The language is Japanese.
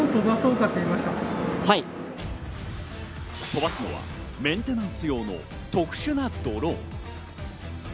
飛ばすのはメンテナンス用の特殊なドローン。